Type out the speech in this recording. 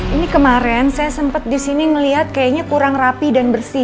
ini kemarin saya sempat disini melihat kayaknya kurang rapi dan bersih